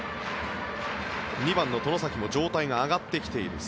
２番の外崎も状態が上がってきています。